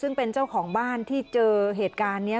ซึ่งเป็นเจ้าของบ้านที่เจอเหตุการณ์นี้